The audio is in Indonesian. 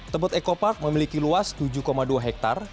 tebet ecopark memiliki luas tujuh dua hektare